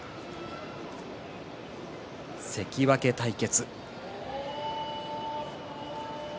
関脇対決。